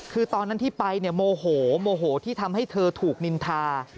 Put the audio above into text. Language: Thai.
คือตอนนั้นที่ไปเนี่ยโมโหโมโหที่ทำให้เธอถูกนินทา